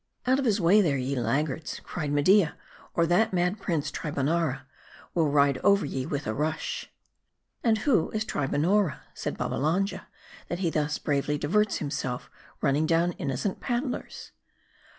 r "Out of his way there, ye laggards," cried Media, " or that mad prince, Tribonnora, will ride over ye with a rush!" " And who is Tribonnora," said Babbalanja, " that he thus bravely diverts himself, running down innocent pad dlers